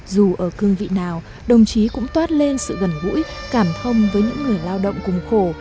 dù ở cương vị nào đồng chí cũng toát lên sự gần gũi cảm thông với những người lao động cùng khổ